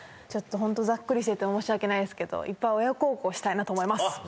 ちょっとホントざっくりしてて申し訳ないんですけどいっぱい親孝行したいなと思います！